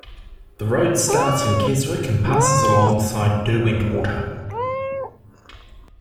The road starts in Keswick and passes alongside Derwent Water.